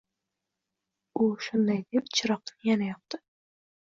U shunday deb chiroqni yana yoqdi.